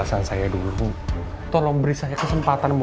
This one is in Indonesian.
saya ada urusan sama putri